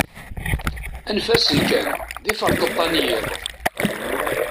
Anef-asen kan, d iferṭeṭṭa n yiḍ.